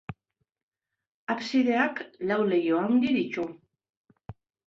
Absideak lau leiho handi ditu.